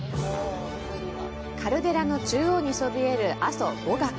カルデラの中央にそびえる阿蘇五岳。